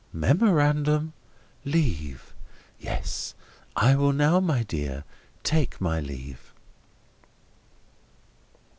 "Memorandum, 'Leave.' Yes. I will now, my dear, take my leave."